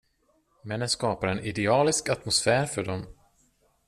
Men den skapar en idealisk atmosfär för dem.